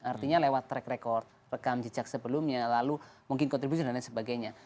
artinya lewat track record rekam jejak sebelumnya lalu mungkin kontribusi dan lain sebagainya